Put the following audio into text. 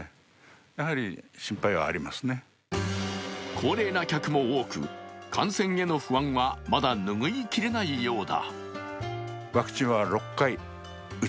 高齢な客も多く、感染への不安はまだ拭いきれないようだ。